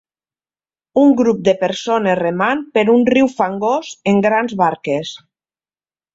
Un grup de persones remant per un riu fangós en grans barques.